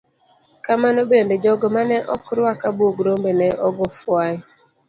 Kamano bende, jogo mane ok ruak abuog rombe ne ogo fwai.